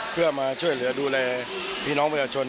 เพื่อมาช่วยเหลือดูแลพี่น้องประชาชน